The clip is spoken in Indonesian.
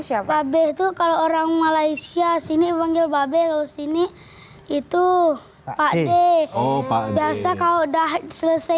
siapa be itu kalau orang malaysia sini bangga babel sini itu pakde opa biasa kau dah selesai